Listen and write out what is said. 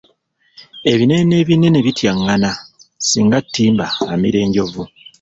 Ebinene n'ebinene bityaŋŋana, singa ttimba amira enjovu